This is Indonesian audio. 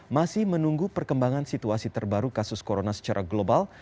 masih menunggu perkembangan situasi terbaru kasus corona secara global